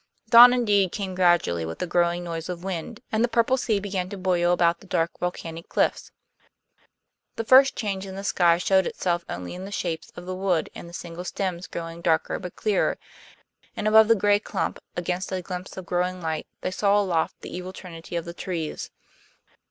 Dawn indeed came gradually with a growing noise of wind, and the purple sea began to boil about the dark volcanic cliffs. The first change in the sky showed itself only in the shapes of the wood and the single stems growing darker but clearer; and above the gray clump, against a glimpse of growing light, they saw aloft the evil trinity of the trees.